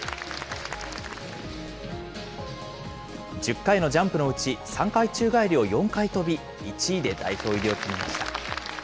１０回のジャンプのうち、３回宙返りを４回跳び、１位で代表入りを決めました。